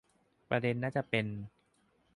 ประเด็นน่าจะเป็น